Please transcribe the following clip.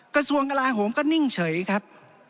กระทรวงกลาโหมก็นิ่งเฉยครับ